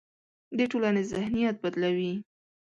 د ټولنې ذهنیت بدلوي.